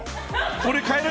俺変える！